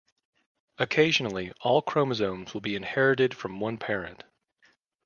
Occasionally, all chromosomes will be inherited from one parent.